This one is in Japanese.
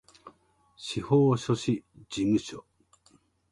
司法書士事務所